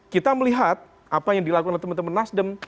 kita melihat apa yang dilakukan oleh teman teman nasdem